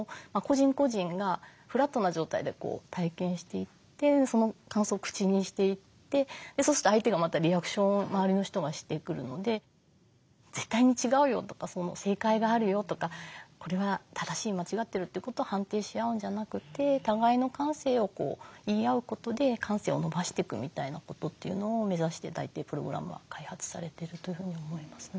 そうするとその感想を口にしていってそうすると相手がまたリアクションを周りの人がしてくるので絶対に違うよとか正解があるよとかこれは正しい間違ってるってことを判定しあうんじゃなくて互いの感性を言い合うことで感性を伸ばしていくみたいなことっていうのを目指して大抵プログラムは開発されてるというふうに思います。